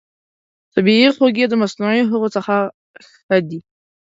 طبیعي خوږې د مصنوعي هغو څخه ښه دي.